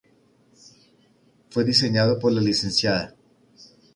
Fue diseñado por la Lic.